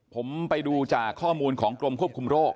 ผมไปดูจากข้อมูลของกรมควบคุมโรค